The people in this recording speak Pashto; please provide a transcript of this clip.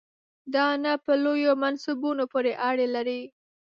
دا نه په لویو منصبونو پورې اړه لري.